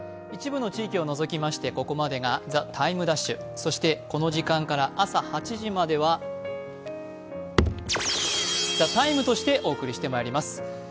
一部の地域を除きまして、ここまでが「ＴＩＭＥ’」、そして、この時間から朝８時までは「ＴＨＥＴＩＭＥ，」としてお送りしてまいります。